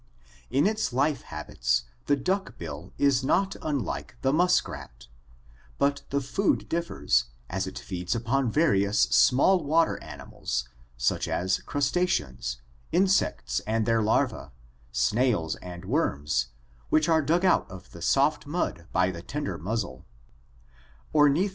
In its life habits the duck bill is not unlike the muskrat, but the food differs, as it feeds upon various small water animals, such as crustaceans, insects and their larvae, snails and worms, which are dug out of the soft mud by the tender muzzle (Lydekker).